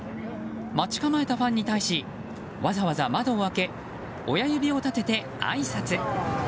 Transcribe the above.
待ち構えたファンに対しわざわざ窓を開け親指を立ててあいさつ。